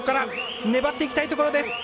粘っていきたいところです。